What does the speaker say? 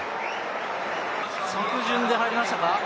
着順で入りましたか？